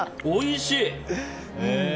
おいしい？